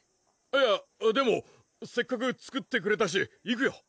やっでもせっかく作ってくれたし行くよ